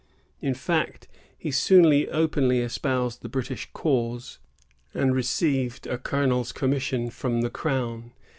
In fact, he soon openly espoused the British cause, and received a colonel's commission from the crown.